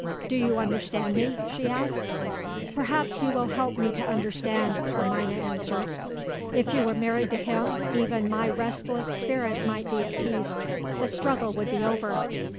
"Do you understand me?" she asked. "Perhaps you will help me to understand," Carmina answered. "If you were married to him, even my restless spirit might be at peace. The struggle would be over."